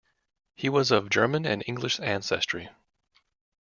He was of German and English ancestry.